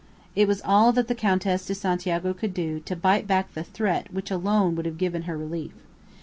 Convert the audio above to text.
It was all that the Countess de Santiago could do to bite back the threat which alone could have given her relief.